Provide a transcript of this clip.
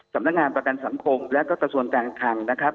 สำนักงานประกันสังคมและก็กระทรวงการคังนะครับ